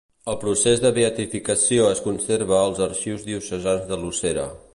El procés de beatificació es conserva als arxius diocesans de Lucera.